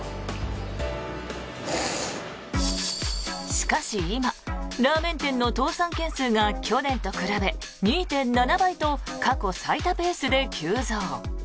しかし今ラーメン店の倒産件数が去年と比べ２．７倍と過去最多ペースで急増。